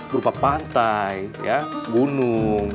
berupa pantai ya gunung